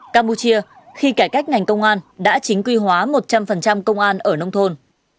campuchia khi cải cách ngành công an đã chính quy hóa một trăm linh công an ở nông thôn